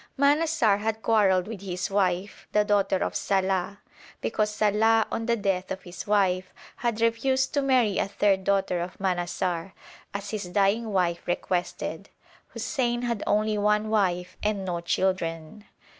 Manassar had quarrelled with his wife, the daughter of Salàh, because Salàh, on the death of his wife, had refused to marry a third daughter of Manassar, as his dying wife requested. Hussein had only one wife and no children.